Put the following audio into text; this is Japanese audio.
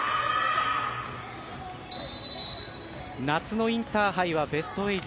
夏のインターハイはベスト８。